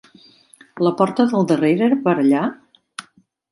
La porta del darrere era per allà?